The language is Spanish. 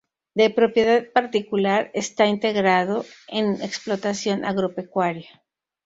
De propiedad particular, está integrado en explotación agropecuaria.